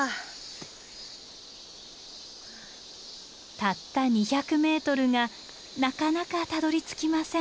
たった２００ｍがなかなかたどりつきません。